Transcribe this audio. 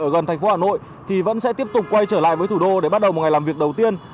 ở gần thành phố hà nội thì vẫn sẽ tiếp tục quay trở lại với thủ đô để bắt đầu một ngày làm việc đầu tiên